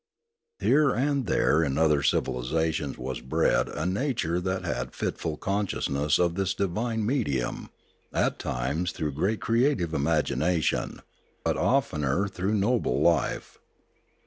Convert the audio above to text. Here and there in other civilisations was bred a nature that had fitful consciousness of this divine medium, at times through great creative imagination, but oftener through noble life.